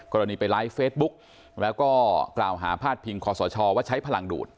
กรณีไปไลฟ์เฟซบุ๊กแล้วก็กล่าวหาพาดพิงคอสชว่าใช้พลังดูด